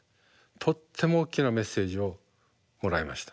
とっても大きなメッセージをもらいました。